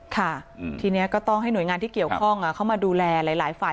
ค่ะทีนี้ก็ต้องให้หน่วยงานที่เกี่ยวข้องเข้ามาดูแลหลายฝ่าย